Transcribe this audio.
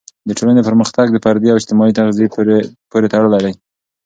د ټولنې پرمختګ د فردي او اجتماعي تغذیې پورې تړلی دی.